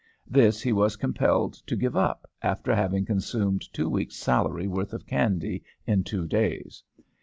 This he was compelled to give up after having consumed two weeks' salary's worth of candy in two days.